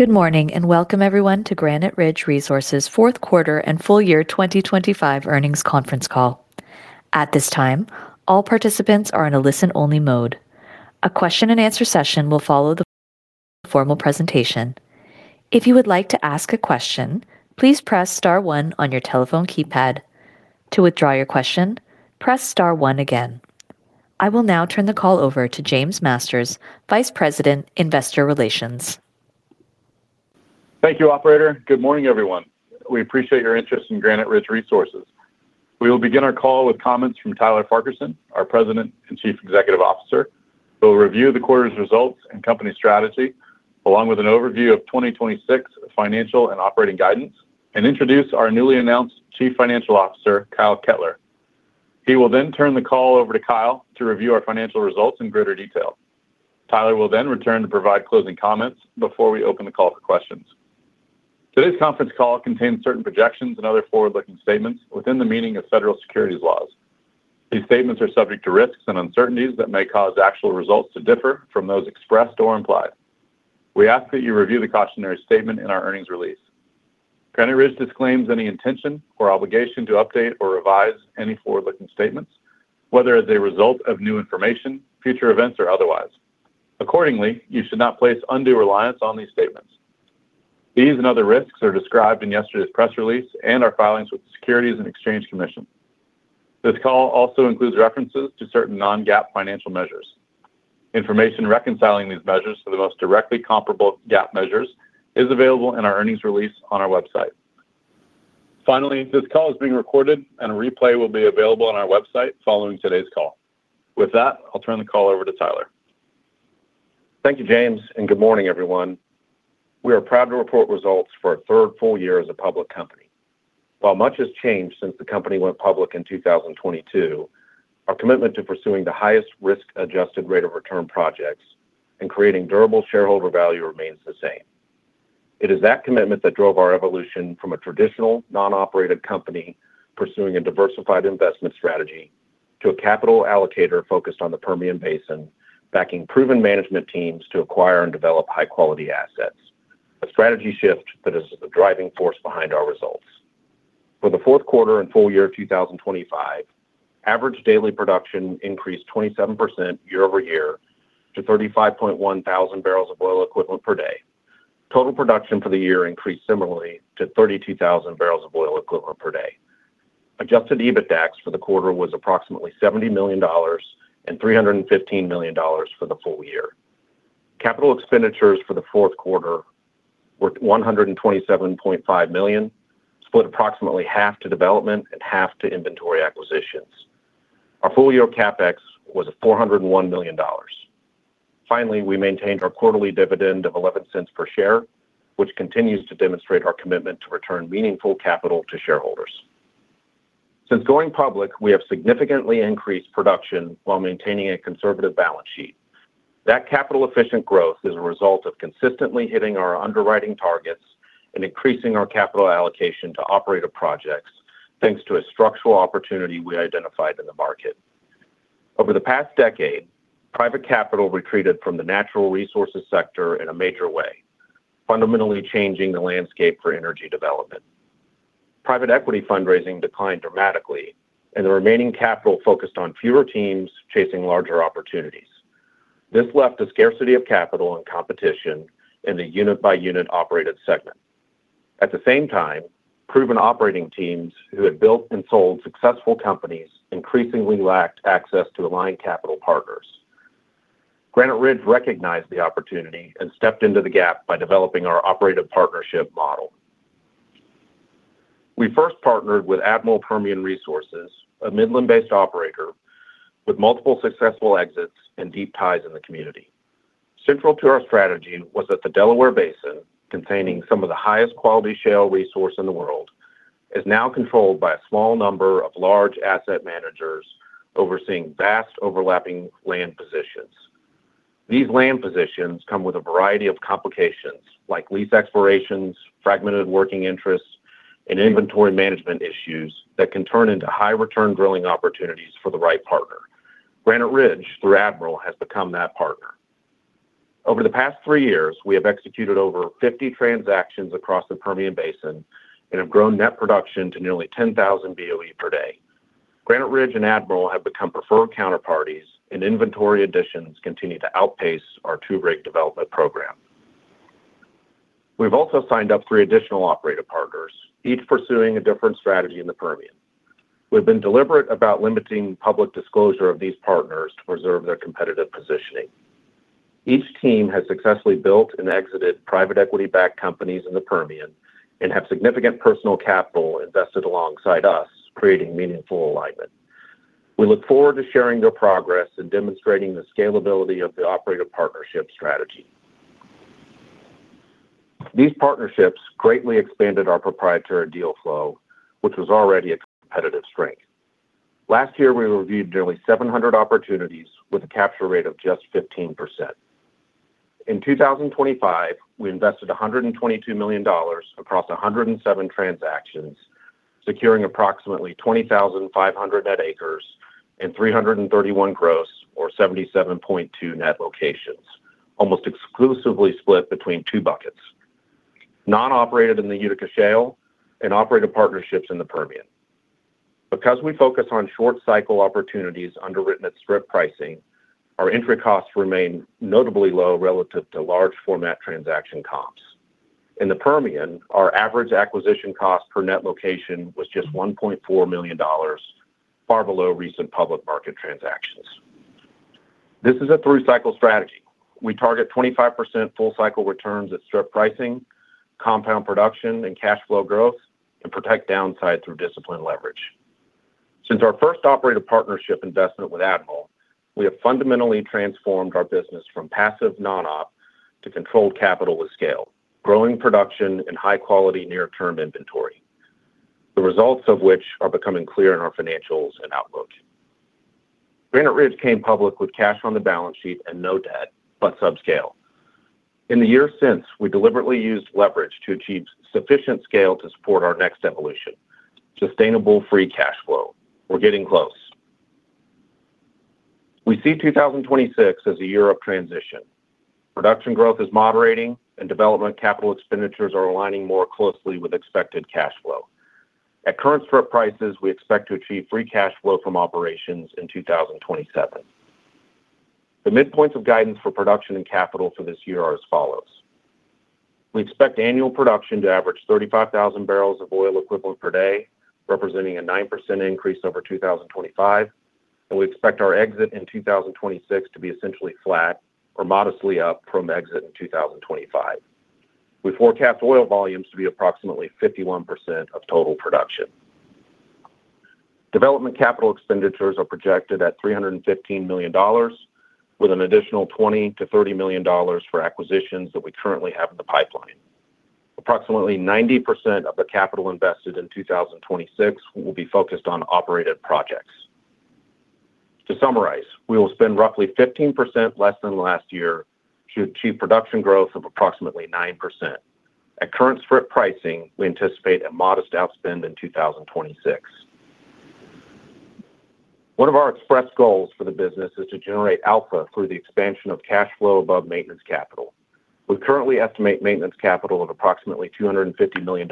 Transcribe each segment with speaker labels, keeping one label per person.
Speaker 1: Good morning, and welcome everyone to Granite Ridge Resources fourth quarter and full year 2025 earnings conference call. At this time, all participants are in a listen-only mode. A question and answer session will follow the formal presentation. If you would like to ask a question, please press star one on your telephone keypad. To withdraw your question, press star one again. I will now turn the call over to James Masters, Vice President, Investor Relations.
Speaker 2: Thank you, operator. Good morning, everyone. We appreciate your interest in Granite Ridge Resources. We will begin our call with comments from Tyler Ferguson, our President and Chief Executive Officer, who will review the quarter's results and company strategy, along with an overview of 2026 financial and operating guidance and introduce our newly announced Chief Financial Officer, Kyle Kettler. He will turn the call over to Kyle to review our financial results in greater detail. Tyler will return to provide closing comments before we open the call for questions. Today's conference call contains certain projections and other forward-looking statements within the meaning of federal securities laws. These statements are subject to risks and uncertainties that may cause actual results to differ from those expressed or implied. We ask that you review the cautionary statement in our earnings release. Granite Ridge disclaims any intention or obligation to update or revise any forward-looking statements, whether as a result of new information, future events, or otherwise. Accordingly, you should not place undue reliance on these statements. These and other risks are described in yesterday's press release and our filings with the Securities and Exchange Commission. This call also includes references to certain non-GAAP financial measures. Information reconciling these measures to the most directly comparable GAAP measures is available in our earnings release on our website. Finally, this call is being recorded and a replay will be available on our website following today's call. With that, I'll turn the call over to Tyler.
Speaker 3: Thank you, James. Good morning, everyone. We are proud to report results for our third full year as a public company. While much has changed since the company went public in 2022, our commitment to pursuing the highest risk-adjusted rate of return projects and creating durable shareholder value remains the same. It is that commitment that drove our evolution from a traditional non-operated company pursuing a diversified investment strategy to a capital allocator focused on the Permian Basin, backing proven management teams to acquire and develop high-quality assets, a strategy shift that is the driving force behind our results. For the fourth quarter and full year of 2025, average daily production increased 27% year-over-year to 35,100 BOE per day. Total production for the year increased similarly to 32,000 BOE per day. Adjusted EBITDAX for the quarter was approximately $70 million and $315 million for the full year. Capital expenditures for the fourth quarter were $127.5 million, split approximately half to development and half to inventory acquisitions. Our full-year CapEx was $401 million. Finally, we maintained our quarterly dividend of $0.11 per share, which continues to demonstrate our commitment to return meaningful capital to shareholders. Since going public, we have significantly increased production while maintaining a conservative balance sheet. That capital-efficient growth is a result of consistently hitting our underwriting targets and increasing our capital allocation to operator projects, thanks to a structural opportunity we identified in the market. Over the past decade, private capital retreated from the natural resources sector in a major way, fundamentally changing the landscape for energy development. Private equity fundraising declined dramatically, and the remaining capital focused on fewer teams chasing larger opportunities. This left a scarcity of capital and competition in the unit-by-unit operated segment. At the same time, proven operating teams who had built and sold successful companies increasingly lacked access to aligned capital partners. Granite Ridge recognized the opportunity and stepped into the gap by developing our operative partnership model. We first partnered with Admiral Permian Resources, a Midland-based operator with multiple successful exits and deep ties in the community. Central to our strategy was that the Delaware Basin, containing some of the highest quality shale resource in the world, is now controlled by a small number of large asset managers overseeing vast overlapping land positions. These land positions come with a variety of complications like lease expirations, fragmented working interests, and inventory management issues that can turn into high-return drilling opportunities for the right partner. Granite Ridge, through Admiral, has become that partner. Over the past three years, we have executed over 50 transactions across the Permian Basin and have grown net production to nearly 10,000 BOE per day. Granite Ridge and Admiral have become preferred counterparties, and inventory additions continue to outpace our two-rig development program. We've also signed up three additional operator partners, each pursuing a different strategy in the Permian. We've been deliberate about limiting public disclosure of these partners to preserve their competitive positioning. Each team has successfully built and exited private equity-backed companies in the Permian and have significant personal capital invested alongside us, creating meaningful alignment. We look forward to sharing their progress and demonstrating the scalability of the operator partnership strategy. These partnerships greatly expanded our proprietary deal flow, which was already a competitive strength. Last year, we reviewed nearly 700 opportunities with a capture rate of just 15%. In 2025, we invested $122 million across 107 transactions. Securing approximately 20,500 net acres and 331 gross or 77.2 net locations, almost exclusively split between two buckets. Non-operated in the Utica Shale and operated partnerships in the Permian. Because we focus on short cycle opportunities underwritten at strip pricing, our entry costs remain notably low relative to large format transaction comps. In the Permian, our average acquisition cost per net location was just $1.4 million, far below recent public market transactions. This is a through cycle strategy. We target 25% full cycle returns at strip pricing, compound production, and cash flow growth, and protect downside through disciplined leverage. Since our first operated partnership investment with Admiral, we have fundamentally transformed our business from passive non-op to controlled capital with scale, growing production and high quality near-term inventory. The results of which are becoming clear in our financials and outlook. Granite Ridge came public with cash on the balance sheet and no debt, subscale. In the years since, we deliberately used leverage to achieve sufficient scale to support our next evolution, sustainable free cash flow. We're getting close. We see 2026 as a year of transition. Production growth is moderating and development capital expenditures are aligning more closely with expected cash flow. At current strip prices, we expect to achieve free cash flow from operations in 2027. The midpoints of guidance for production and capital for this year are as follows. We expect annual production to average 35,000 BOE per day, representing a 9% increase over 2025. We expect our exit in 2026 to be essentially flat or modestly up from exit in 2025. We forecast oil volumes to be approximately 51% of total production. Development CapEx are projected at $315 million, with an additional $20 million-$30 million for acquisitions that we currently have in the pipeline. Approximately 90% of the capital invested in 2026 will be focused on operated projects. To summarize, we will spend roughly 15% less than last year to achieve production growth of approximately 9%. At current strip pricing, we anticipate a modest outspend in 2026. One of our express goals for the business is to generate alpha through the expansion of cash flow above maintenance capital. We currently estimate maintenance capital of approximately $250 million,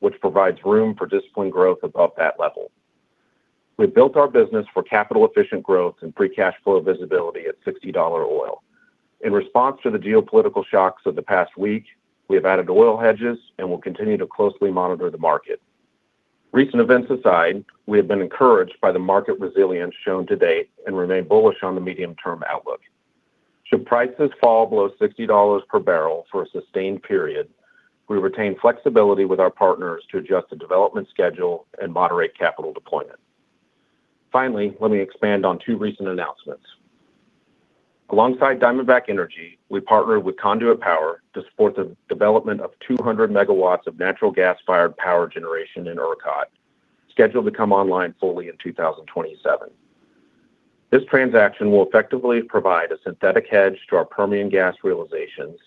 Speaker 3: which provides room for disciplined growth above that level. We've built our business for capital efficient growth and free cash flow visibility at $60 oil. In response to the geopolitical shocks of the past week, we have added oil hedges and will continue to closely monitor the market. Recent events aside, we have been encouraged by the market resilience shown to date and remain bullish on the medium-term outlook. Should prices fall below $60 per bbl for a sustained period, we retain flexibility with our partners to adjust the development schedule and moderate capital deployment. Finally, let me expand on two recent announcements. Alongside Diamondback Energy, we partnered with Conduit Power to support the development of 200 MW of natural gas-fired power generation in ERCOT, scheduled to come online fully in 2027. This transaction will effectively provide a synthetic hedge to our Permian gas realizations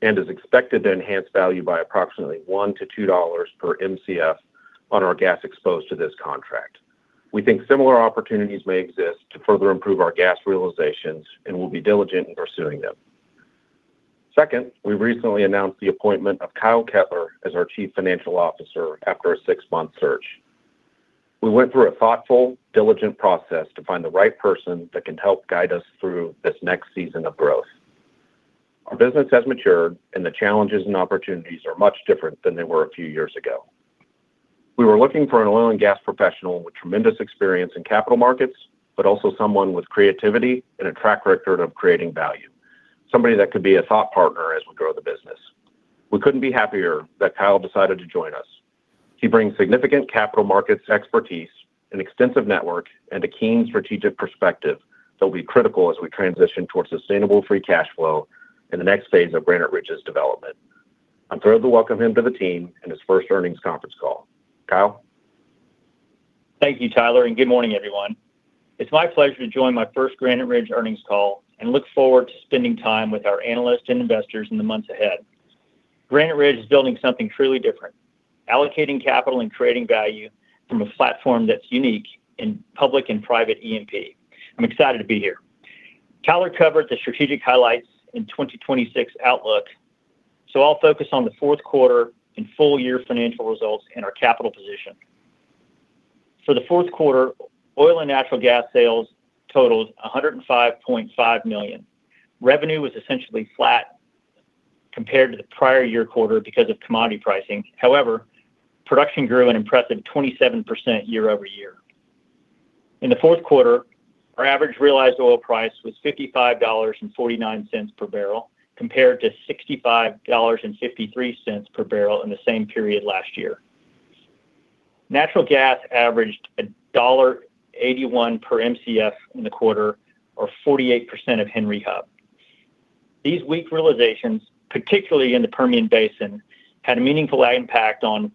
Speaker 3: and is expected to enhance value by approximately $1-$2 per Mcf on our gas exposed to this contract. We think similar opportunities may exist to further improve our gas realizations, and we'll be diligent in pursuing them. Second, we recently announced the appointment of Kyle Kettler as our chief financial officer after a six-month search. We went through a thoughtful, diligent process to find the right person that can help guide us through this next season of growth. Our business has matured and the challenges and opportunities are much different than they were a few years ago. We were looking for an oil and gas professional with tremendous experience in capital markets, but also someone with creativity and a track record of creating value. Somebody that could be a thought partner as we grow the business. We couldn't be happier that Kyle decided to join us. He brings significant capital markets expertise, an extensive network, and a keen strategic perspective that will be critical as we transition towards sustainable free cash flow in the next phase of Granite Ridge's development. I'm thrilled to welcome him to the team in his first earnings conference call. Kyle?
Speaker 4: Thank you, Tyler. Good morning, everyone. It's my pleasure to join my first Granite Ridge earnings call and look forward to spending time with our analysts and investors in the months ahead. Granite Ridge is building something truly different, allocating capital and creating value from a platform that's unique in public and private E&P. I'm excited to be here. Tyler covered the strategic highlights in 2026 outlook. I'll focus on the fourth quarter and full year financial results and our capital position. For the fourth quarter, oil and natural gas sales totaled $105.5 million. Revenue was essentially flat compared to the prior year quarter because of commodity pricing. Production grew an impressive 27% year-over-year. In the fourth quarter, our average realized oil price was $55.49 per bbl, compared to $65.53 per bbl in the same period last year. Natural gas averaged $1.81 per Mcf in the quarter, or 48% of Henry Hub. These weak realizations, particularly in the Permian Basin, had a meaningful impact on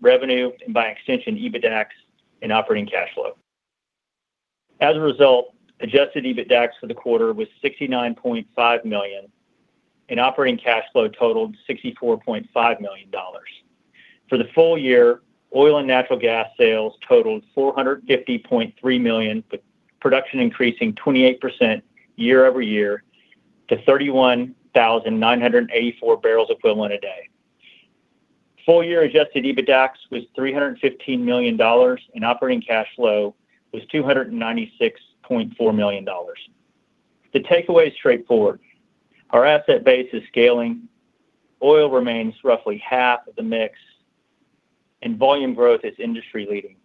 Speaker 4: revenue and by extension, EBITDAX and operating cash flow. As a result, Adjusted EBITDAX for the quarter was $69.5 million, and operating cash flow totaled $64.5 million. For the full year, oil and natural gas sales totaled $450.3 million, with production increasing 28% year-over-year to 31,984 bbl equivalent a day. Full year Adjusted EBITDAX was $315 million, and operating cash flow was $296.4 million. The takeaway is straightforward. Our asset base is scaling. Oil remains roughly half of the mix, and volume growth is industry-leading.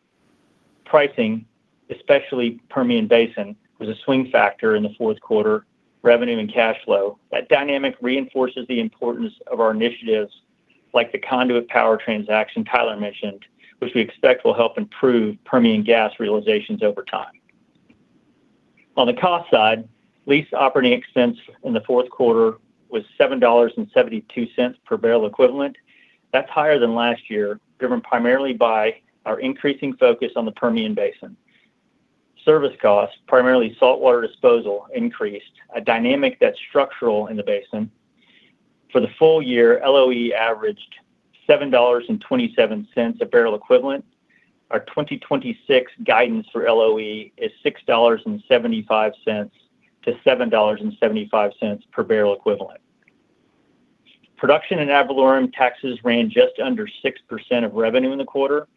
Speaker 4: Pricing, especially Permian Basin, was a swing factor in the fourth quarter revenue and cash flow. That dynamic reinforces the importance of our initiatives like the Conduit Power transaction Tyler mentioned, which we expect will help improve Permian gas realizations over time. On the cost side, lease operating expense in the fourth quarter was $7.72 per bbl equivalent. That's higher than last year, driven primarily by our increasing focus on the Permian Basin. Service costs, primarily saltwater disposal, increased, a dynamic that's structural in the basin. For the full year, LOE averaged $7.27 a bbl equivalent. Our 2026 guidance for LOE is $6.75-$7.75 per bbl equivalent. Production and ad valorem taxes ran just under 6% of revenue in the quarter.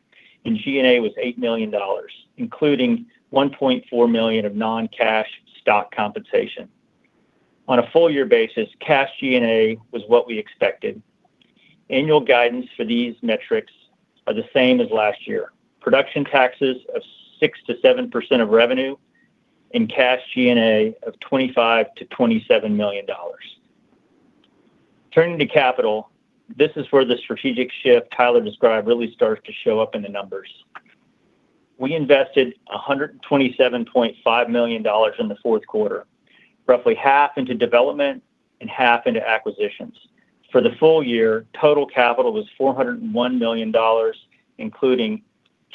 Speaker 4: G&A was $8 million, including $1.4 million of non-cash stock compensation. On a full year basis, cash G&A was what we expected. Annual guidance for these metrics are the same as last year. Production taxes of 6%-7% of revenue and cash G&A of $25 million-$27 million. Turning to capital, this is where the strategic shift Tyler described really starts to show up in the numbers. We invested $127.5 million in the fourth quarter, roughly half into development and half into acquisitions. For the full year, total CapEx was $401 million, including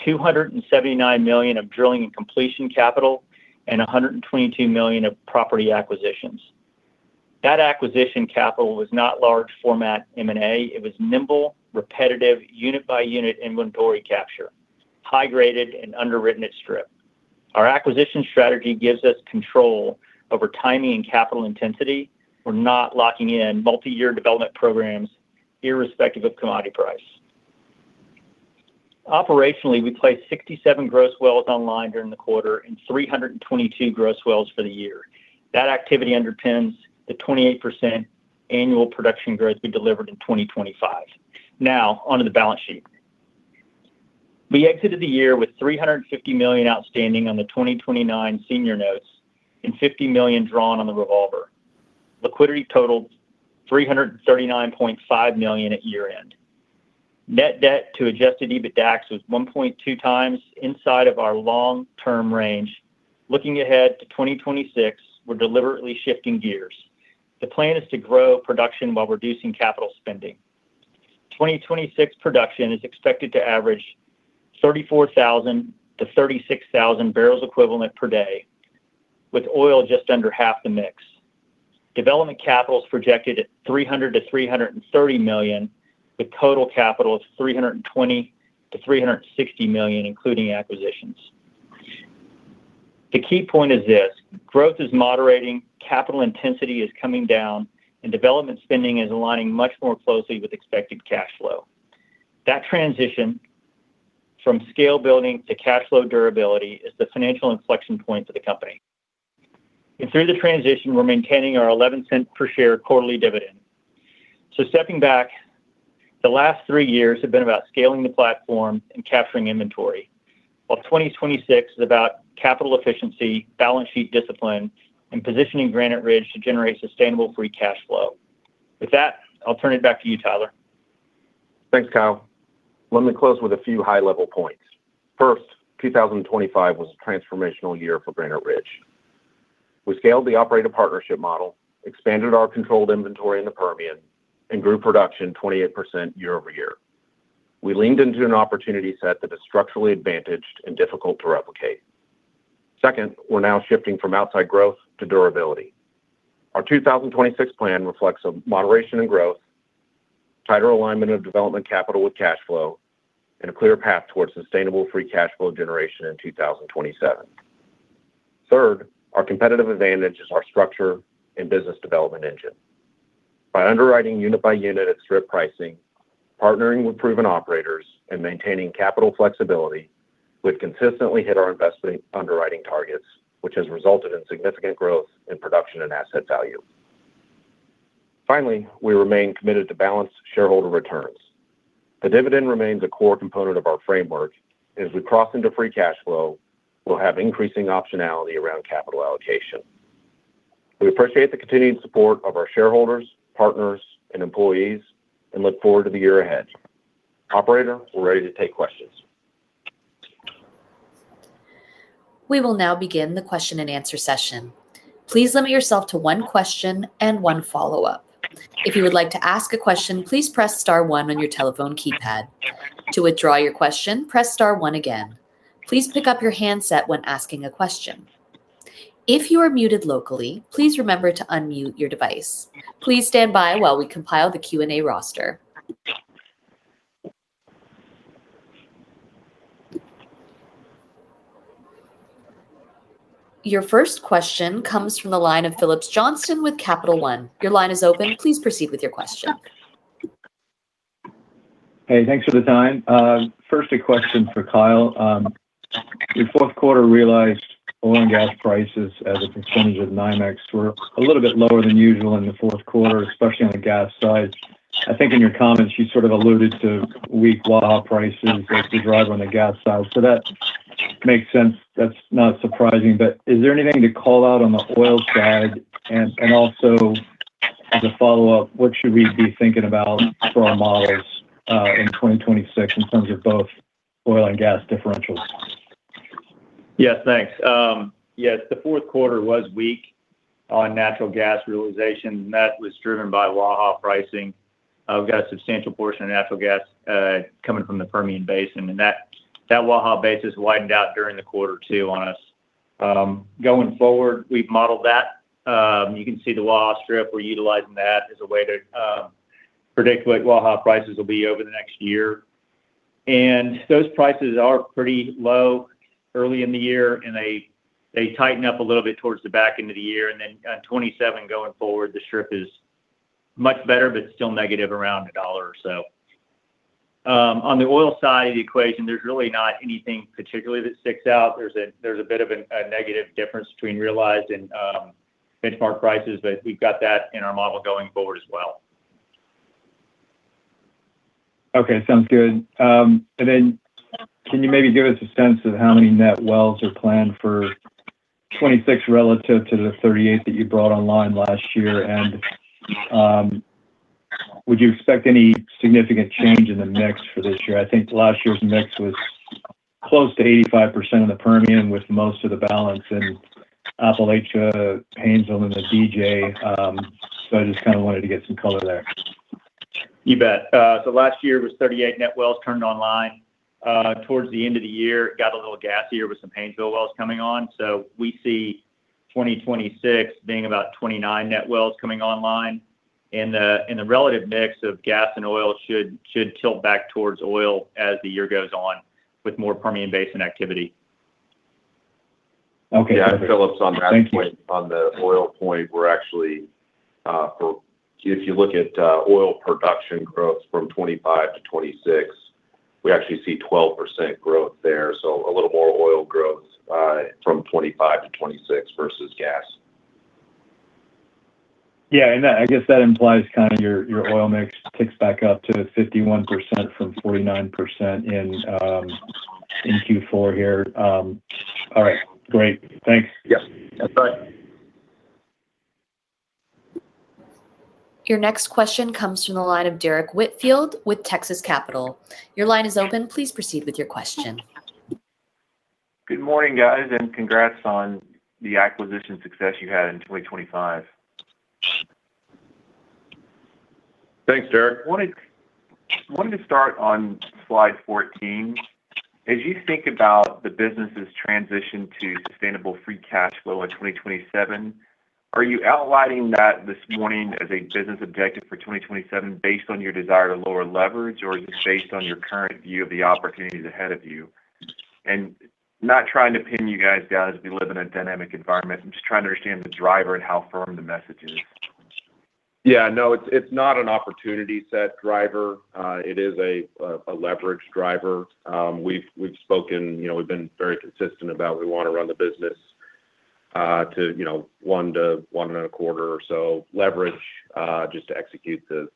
Speaker 4: $279 million of drilling and completion CapEx and $122 million of property acquisitions. That acquisition CapEx was not large format M&A. It was nimble, repetitive, unit-by-unit inventory capture, high graded, and underwritten at strip. Our acquisition strategy gives us control over timing and capital intensity. We're not locking in multi-year development programs irrespective of commodity price. Operationally, we placed 67 gross wells online during the quarter and 322 gross wells for the year. That activity underpins the 28% annual production growth we delivered in 2025. On to the balance sheet. We exited the year with $350 million outstanding on the 2029 senior notes and $50 million drawn on the revolver. Liquidity totaled $339.5 million at year-end. Net debt to Adjusted EBITDAX was 1.2x inside of our long-term range. Looking ahead to 2026, we're deliberately shifting gears. The plan is to grow production while reducing capital spending. 2026 production is expected to average 34,000-36,000 BOE per day, with oil just under half the mix. Development capital is projected at $300 million-$330 million, with total capital of $320 million-$360 million, including acquisitions. The key point is this: growth is moderating, capital intensity is coming down, and development spending is aligning much more closely with expected cash flow. That transition from scale building to cash flow durability is the financial inflection point for the company. Through the transition, we're maintaining our $0.11 per share quarterly dividend. Stepping back, the last three years have been about scaling the platform and capturing inventory. While 2026 is about capital efficiency, balance sheet discipline, and positioning Granite Ridge to generate sustainable free cash flow. With that, I'll turn it back to you, Tyler.
Speaker 3: Thanks, Kyle. Let me close with a few high-level points. First, 2025 was a transformational year for Granite Ridge. We scaled the operated partnership model, expanded our controlled inventory in the Permian, and grew production 28% year-over-year. We leaned into an opportunity set that is structurally advantaged and difficult to replicate. Second, we're now shifting from outside growth to durability. Our 2026 plan reflects a moderation in growth, tighter alignment of development capital with cash flow, and a clear path towards sustainable free cash flow generation in 2027. Third, our competitive advantage is our structure and business development engine. By underwriting unit by unit at strip pricing, partnering with proven operators, and maintaining capital flexibility, we've consistently hit our investing underwriting targets, which has resulted in significant growth in production and asset value. Finally, we remain committed to balanced shareholder returns. The dividend remains a core component of our framework. As we cross into free cash flow, we'll have increasing optionality around capital allocation. We appreciate the continued support of our shareholders, partners, and employees and look forward to the year ahead. Operator, we're ready to take questions.
Speaker 1: We will now begin the question and answer session. Please limit yourself to one question and one follow-up. If you would like to ask a question, please press star one on your telephone keypad. To withdraw your question, press star one again. Please pick up your handset when asking a question. If you are muted locally, please remember to unmute your device. Please stand by while we compile the Q&A roster. Your first question comes from the line of Phillips Johnston with Capital One. Your line is open. Please proceed with your question.
Speaker 5: Hey, thanks for the time. Firstly question for Kyle. Your fourth quarter realized oil and gas prices as a percentage of NYMEX were a little bit lower than usual in the fourth quarter, especially on the gas side. I think in your comments, you sort of alluded to weak Waha prices as the driver on the gas side. That makes sense. That's not surprising. Is there anything to call out on the oil side? Also as a follow-up, what should we be thinking about for our models, in 2026 in terms of both oil and gas differentials?
Speaker 4: Yes. Thanks. Yes, the fourth quarter was weak on natural gas realization. That was driven by Waha pricing. We've got a substantial portion of natural gas coming from the Permian Basin, and that Waha base has widened out during the quarter two on us. Going forward, we've modeled that. You can see the Waha strip. We're utilizing that as a way to predict what Waha prices will be over the next year. Those prices are pretty low early in the year, and they tighten up a little bit towards the back end of the year. On 2027 going forward, the strip is much better, but still negative around $1 or so. On the oil side of the equation, there's really not anything particularly that sticks out. There's a bit of a negative difference between realized and benchmark prices, but we've got that in our model going forward as well.
Speaker 5: Okay. Sounds good. Then can you maybe give us a sense of how many net wells are planned for 26 relative to the 38 that you brought online last year? Would you expect any significant change in the mix for this year? I think last year's mix was close to 85% of the Permian, with most of the balance in Appalachia, Haynesville, and the DJ. I just kind of wanted to get some color there.
Speaker 4: You bet. Last year was 38 net wells turned online. Towards the end of the year, it got a little gassier with some Haynesville wells coming on. We see 2026 being about 29 net wells coming online. The relative mix of gas and oil should tilt back towards oil as the year goes on with more Permian Basin activity.
Speaker 5: Okay.
Speaker 3: Yeah. Phillips, on that point-
Speaker 5: Thank you.
Speaker 3: On the oil point, we're actually, if you look at oil production growth from 2025 to 2026, we actually see 12% growth there. A little more oil growth from 2025 to 2026 versus gas.
Speaker 5: Yeah. I guess that implies kind of your oil mix ticks back up to 51% from 49% in Q4 here. All right. Great. Thanks.
Speaker 3: Yes.
Speaker 4: That's all right.
Speaker 1: Your next question comes from the line of Derrick Whitfield with Texas Capital. Your line is open. Please proceed with your question.
Speaker 6: Good morning, guys, and congrats on the acquisition success you had in 2025.
Speaker 3: Thanks, Derrick.
Speaker 6: Wanted to start on slide 14. As you think about the business's transition to sustainable free cash flow in 2027, are you outlining that this morning as a business objective for 2027 based on your desire to lower leverage or is this based on your current view of the opportunities ahead of you? Not trying to pin you guys down as we live in a dynamic environment. I'm just trying to understand the driver and how firm the message is.
Speaker 3: Yeah. No, it's not an opportunity set driver. It is a leverage driver. We've spoken, you know, we've been very consistent about we wanna run the business, to you know, 1x-1.25x or so leverage, just to execute the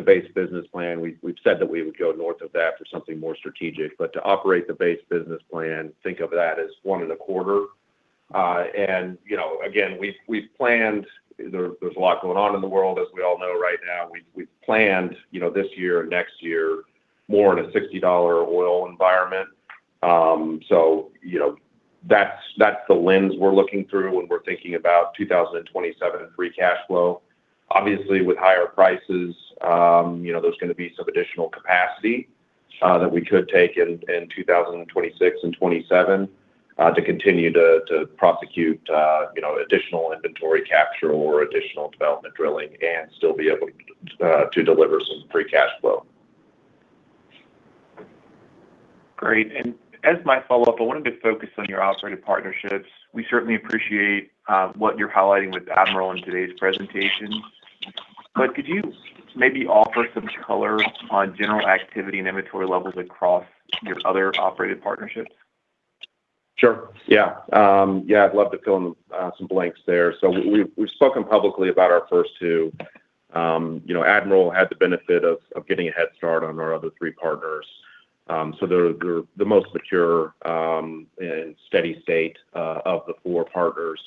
Speaker 3: base business plan. We've said that we would go north of that for something more strategic. To operate the base business plan, think of that as 1.25x. You know, again, we've planned. There's a lot going on in the world, as we all know right now. We've planned, you know, this year and next year more in a $60 oil environment. You know, that's the lens we're looking through when we're thinking about 2027 free cash flow. Obviously, with higher prices, you know, there's gonna be some additional capacity that we could take in 2026 and 2027, to continue to prosecute, you know, additional inventory capture or additional development drilling and still be able to deliver some free cash flow.
Speaker 6: Great. As my follow-up, I wanted to focus on your operated partnerships. We certainly appreciate what you're highlighting with Admiral in today's presentation. Could you maybe offer some color on general activity and inventory levels across your other operated partnerships?
Speaker 3: Sure. Yeah, I'd love to fill in some blanks there. We've spoken publicly about our first two. You know, Admiral had the benefit of getting a head start on our other three partners. They're the most mature and steady state of the four partners.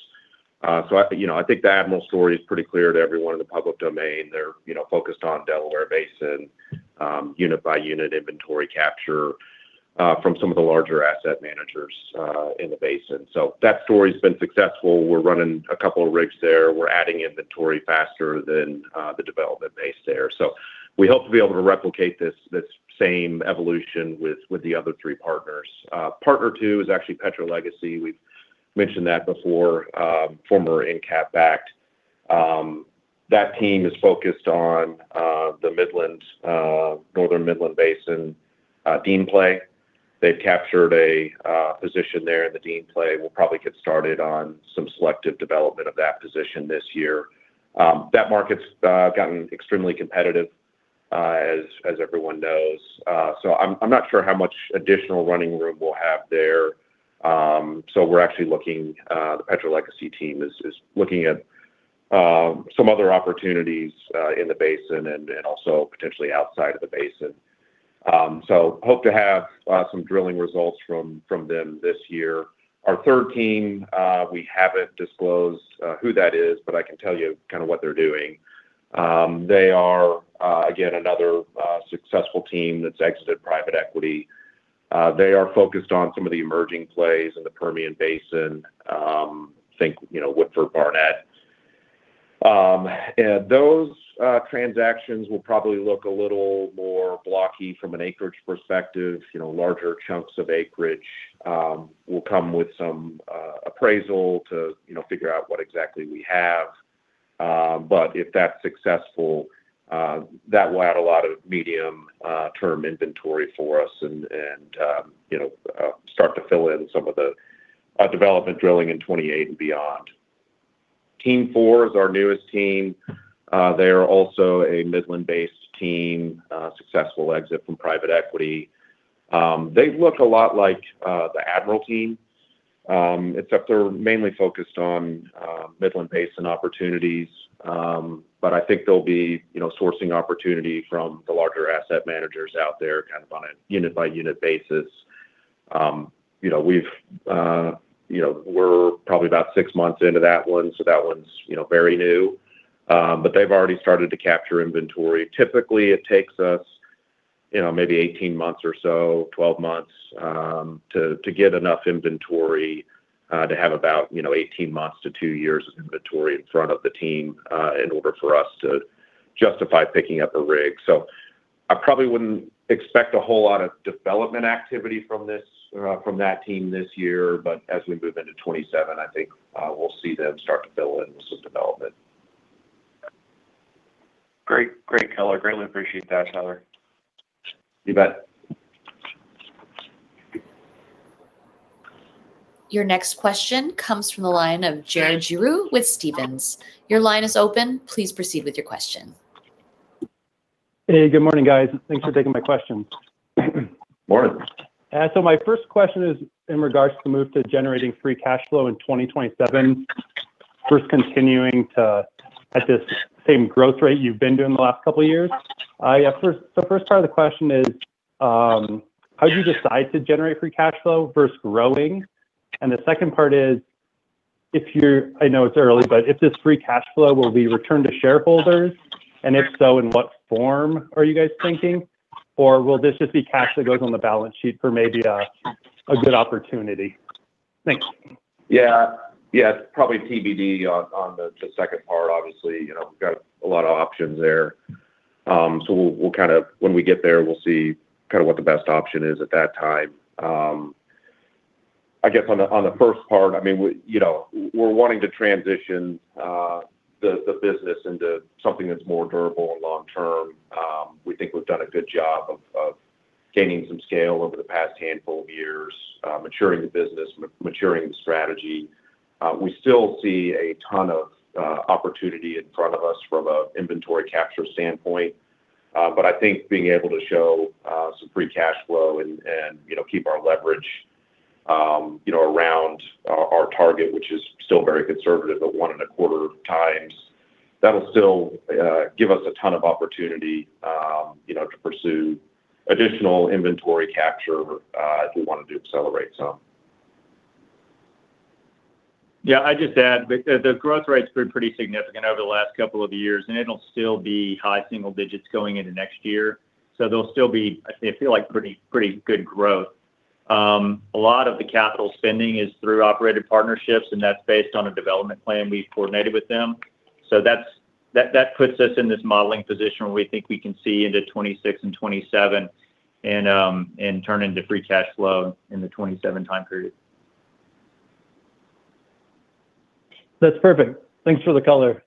Speaker 3: I, you know, I think the Admiral story is pretty clear to everyone in the public domain. They're, you know, focused on Delaware Basin, unit by unit inventory capture from some of the larger asset managers in the basin. That story's been successful. We're running a couple of rigs there. We're adding inventory faster than the development base there. We hope to be able to replicate this same evolution with the other three partners. Partner two is actually PetroLegacy. We've mentioned that before, former EnCap act. That team is focused on the Midland, Northern Midland Basin, Dean play. They've captured a position there in the Dean play. We'll probably get started on some selective development of that position this year. That market's gotten extremely competitive as everyone knows. I'm not sure how much additional running room we'll have there. We're actually looking, the PetroLegacy team is looking at some other opportunities in the basin and also potentially outside of the basin. Hope to have some drilling results from them this year. Our third team, we haven't disclosed who that is, but I can tell you kind of what they're doing. They are again another successful team that's exited private equity. They are focused on some of the emerging plays in the Permian Basin, think, you know, Woodford Barnett. Those transactions will probably look a little more blocky from an acreage perspective. You know, larger chunks of acreage will come with some appraisal to, you know, figure out what exactly we have. If that's successful, that will add a lot of medium term inventory for us and, you know, start to fill in some of the development drilling in 2028 and beyond. Team four is our newest team. They're also a Midland-based team, successful exit from private equity. They look a lot like the Admiral team, except they're mainly focused on Midland Basin opportunities. I think they'll be, you know, sourcing opportunity from the larger asset managers out there kind of on a unit by unit basis. You know, we've, you know, we're probably about six months into that one, so that one's, you know, very new. They've already started to capture inventory. Typically, it takes us, you know, maybe 18 months or so, 12 months, to get enough inventory to have about, you know, 18 months to two years of inventory in front of the team, in order for us to justify picking up a rig. I probably wouldn't expect a whole lot of development activity from this, from that team this year. As we move into 2027, I think, we'll see them start to fill in with some development.
Speaker 6: Great. Great color. Greatly appreciate that, Tyler.
Speaker 3: You bet.
Speaker 1: Your next question comes from the line of Jared Giroux with Stevens. Your line is open. Please proceed with your question.
Speaker 7: Hey, good morning, guys. Thanks for taking my question.
Speaker 3: Morning.
Speaker 7: My first question is in regards to the move to generating free cash flow in 2027 versus continuing to at this same growth rate you've been doing the last couple of years. First part of the question is, how'd you decide to generate free cash flow versus growing? The second part is I know it's early, but if this free cash flow will be returned to shareholders, and if so, in what form are you guys thinking? Will this just be cash that goes on the balance sheet for maybe a good opportunity? Thanks.
Speaker 3: Yeah. Yeah. It's probably TBD on the second part. Obviously, you know, we've got a lot of options there. We'll kind of When we get there, we'll see kinda what the best option is at that time. I guess on the, on the first part, I mean, we, you know, we're wanting to transition the business into something that's more durable and long term. We think we've done a good job of gaining some scale over the past handful of years, maturing the business, maturing the strategy. We still see a ton of opportunity in front of us from an inventory capture standpoint. I think being able to show some free cash flow and, you know, keep our leverage, you know, around our target, which is still very conservative at 1.25x, that'll still give us a ton of opportunity, you know, to pursue additional inventory capture as we wanted to accelerate some.
Speaker 4: I'd just add the growth rate's been pretty significant over the last couple of years, and it'll still be high single digits going into next year. They'll still be, I feel like, pretty good growth. A lot of the capital spending is through operated partnerships, and that's based on a development plan we've coordinated with them. That puts us in this modeling position where we think we can see into 2026 and 2027 and turn into free cash flow in the 2027 time period.
Speaker 7: That's perfect. Thanks for the color.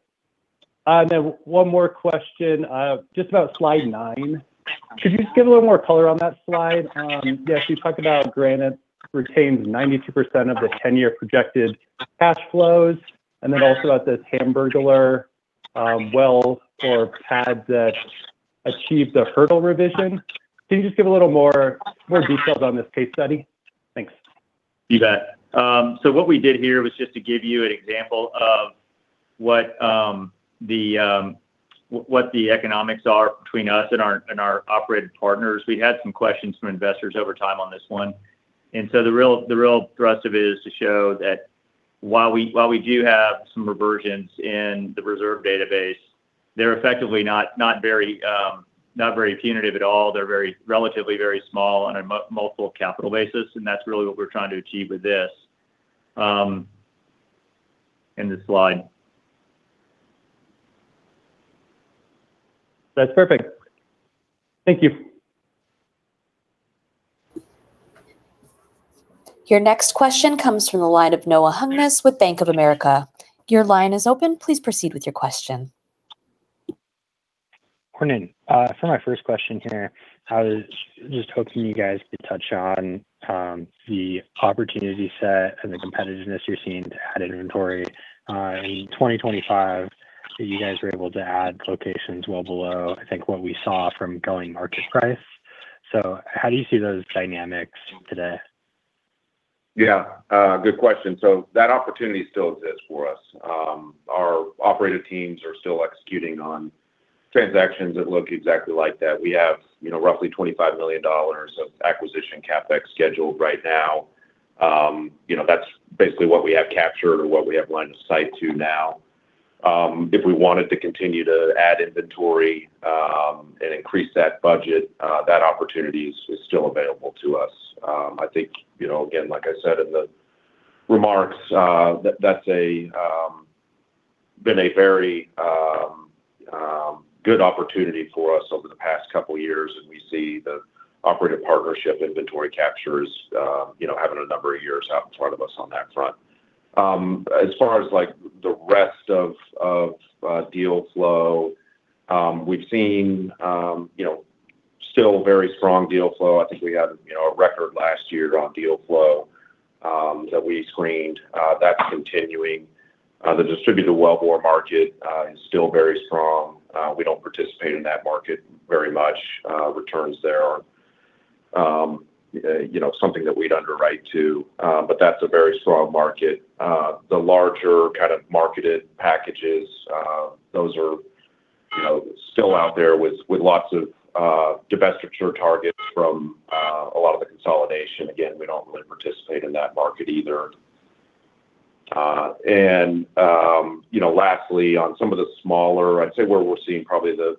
Speaker 7: One more question, just about slide nine. Could you just give a little more color on that slide? Yeah, you talked about Granite retains 92% of the 10-year projected cash flows, and also at the Hamburglar well or pad that achieved a hurdle revision. Can you just give a little more details on this case study? Thanks.
Speaker 4: You bet. What we did here was just to give you an example of what the economics are between us and our, and our operated partners. We had some questions from investors over time on this one. The real thrust of it is to show thatWhile we do have some reversions in the reserve database, they're effectively not very punitive at all. They're relatively very small on a multiple capital basis. That's really what we're trying to achieve with this in this slide.
Speaker 7: That's perfect. Thank you.
Speaker 1: Your next question comes from the line of Noah Hungness with Bank of America. Your line is open. Please proceed with your question.
Speaker 8: Good morning. For my first question here, I was just hoping you guys could touch on the opportunity set and the competitiveness you're seeing to add inventory. In 2025, you guys were able to add locations well below, I think, what we saw from going market price. How do you see those dynamics today?
Speaker 3: Good question. That opportunity still exists for us. Our operative teams are still executing on transactions that look exactly like that. We have, you know, roughly $25 million of acquisition CapEx scheduled right now. You know, that's basically what we have captured or what we have line of sight to now. If we wanted to continue to add inventory, and increase that budget, that opportunity is still available to us. I think, you know, again, like I said in the remarks, that's a good opportunity for us over the past couple years, and we see the operative partnership inventory captures, you know, having a number of years out in front of us on that front. As far as like the rest of deal flow, we've seen, you know, still very strong deal flow. I think we had, you know, a record last year on deal flow that we screened. That's continuing. The distributed wellbore market is still very strong. We don't participate in that market very much. Returns there aren't, you know, something that we'd underwrite to, but that's a very strong market. The larger kind of marketed packages, those are, you know, still out there with lots of divestiture targets from a lot of the consolidation. Again, we don't really participate in that market either. You know, lastly, on some of the smaller I'd say where we're seeing probably the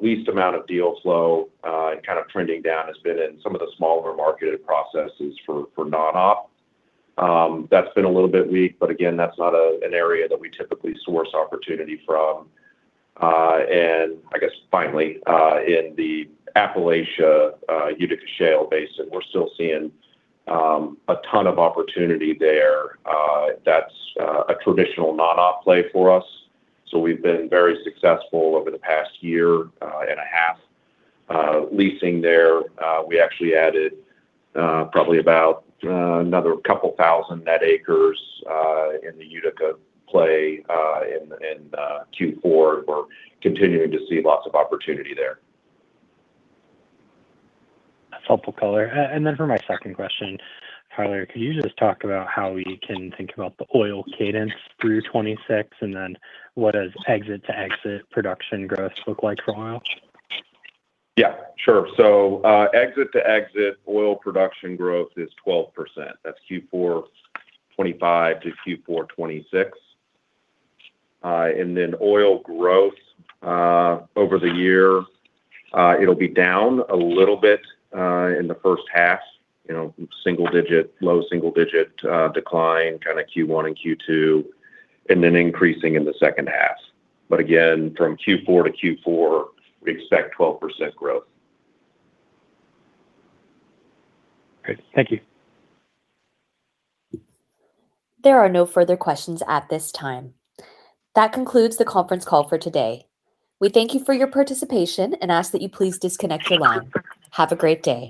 Speaker 3: least amount of deal flow, and kind of trending down has been in some of the smaller marketed processes for non-op. That's been a little bit weak, but again, that's not an area that we typically source opportunity from. I guess finally, in the Appalachia, Utica Shale Basin, we're still seeing a ton of opportunity there. That's a traditional non-op play for us, so we've been very successful over the past year and a half, leasing there. We actually added probably about another couple thousand net acres in the Utica play in Q4. We're continuing to see lots of opportunity there.
Speaker 8: That's helpful color. For my second question, Tyler, could you just talk about how we can think about the oil cadence through 2026, and then what does exit-to-exit production growth look like for oil?
Speaker 3: Yeah, sure. exit-to-exit oil production growth is 12%. That's Q4 2025 to Q4 2026. oil growth over the year, it'll be down a little bit in the first half, you know, single-digit, low single-digit decline kinda Q1 and Q2, and then increasing in the second half. again, from Q4 to Q4, we expect 12% growth.
Speaker 8: Great. Thank you.
Speaker 1: There are no further questions at this time. That concludes the conference call for today. We thank you for your participation and ask that you please disconnect your line. Have a great day.